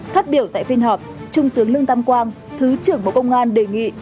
phát biểu tại phiên họp trung tướng lương tam quang thứ trưởng bộ công an đề nghị